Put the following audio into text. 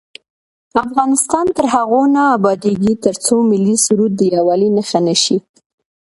افغانستان تر هغو نه ابادیږي، ترڅو ملي سرود د یووالي نښه نشي.